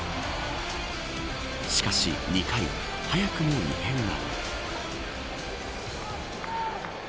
しかし、２回早くも異変が。